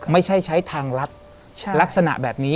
ไม่ใช่ใช้ทางลัดลักษณะแบบนี้